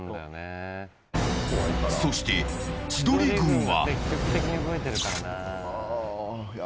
そして、千鳥軍は。